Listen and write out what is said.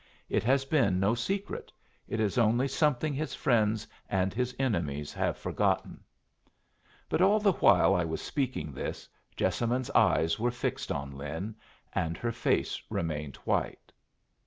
It has been no secret. It is only something his friends and his enemies have forgotten." But all the while I was speaking this, Jessamine's eyes were fixed on Lin, and her face remained white.